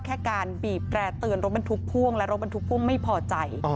แค่การบีบแร่เตือนรถบรรทุกพ่วงและรถบรรทุกพ่วงไม่พอใจ